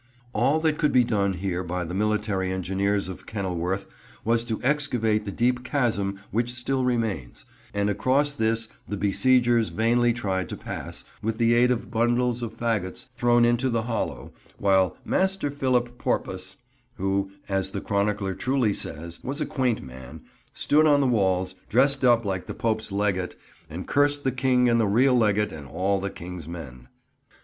All that could be done here by the military engineers of Kenilworth was to excavate the deep chasm which still remains; and across this the besiegers vainly tried to pass, with the aid of bundles of faggots thrown into the hollow, while "Master Philip Porpoise," who, as the chronicler truly says, "was a quaint man," stood on the walls, dressed up like the Pope's Legate, and cursed the King and the real Legate and all the King's men.